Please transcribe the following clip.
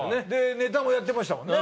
ネタもやってましたもんね。